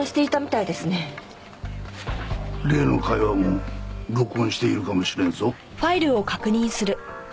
例の会話も録音しているかもしれんぞ。